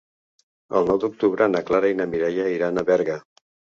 El nou d'octubre na Clara i na Mireia iran a Berga.